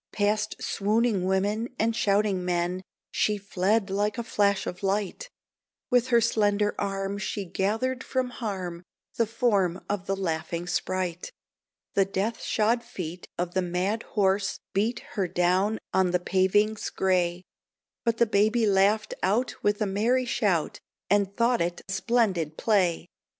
Past swooning women and shouting men She fled like a flash of light; With her slender arm she gathered from harm The form of the laughing sprite. The death shod feet of the mad horse beat Her down on the pavings grey; But the baby laughed out with a merry shout, And thought it splendid play.